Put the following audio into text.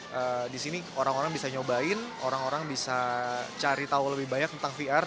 jadi orang orang bisa nyobain orang orang bisa cari tahu lebih banyak tentang vr